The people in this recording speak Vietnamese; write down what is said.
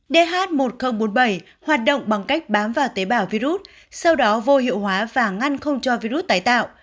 dh một nghìn bốn mươi bảy hoạt động bằng cách bám vào tế bào virus sau đó vô hiệu hóa và ngăn không cho virus tái tạo